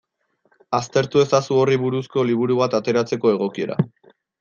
Aztertu ezazu horri buruzko liburu bat ateratzeko egokiera.